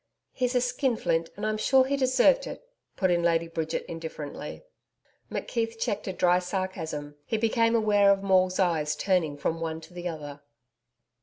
'He's a skinflint, and I'm sure he deserved it,' put in Lady Bridget indifferently. McKeith check a dry sarcasm. He became aware of Maule's eyes turning from one to the other.